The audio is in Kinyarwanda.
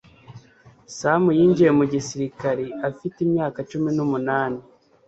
Sam yinjiye mu gisirikare afite imyaka cumi numunani